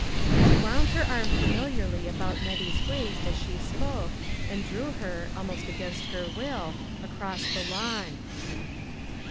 She wound her arm familiarly about Nettie's waist as she spoke, and drew her, al most against her will, across the lawn.